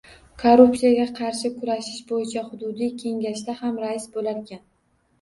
Korrupsiyaga qarshi kurashish bo‘yicha hududiy kengashda ham rais bo‘larkan